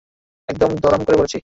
একদম ধড়াম করে পড়েছি।